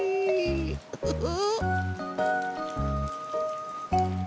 ウフフ。